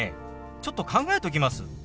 ちょっと考えときます。